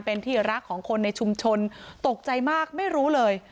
เป็นที่รักของคนในชุมชนตกใจมากไม่รู้เลย